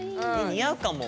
似合うかも。